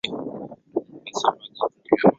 Tangu mwaka elfu moja mia tisa sitini na tatu